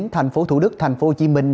thành phố thủ đức thành phố hồ chí minh